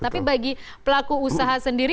tapi bagi pelaku usaha sendiri